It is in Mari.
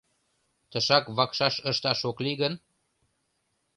Тышак вакшаш ышташ ок лий гын?